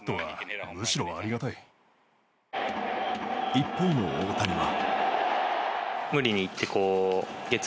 一方の大谷は。